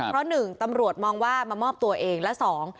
เพราะหนึ่งตำรวจมองว่ามามอบตัวเองละสอง